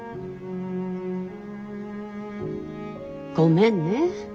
ごめんね。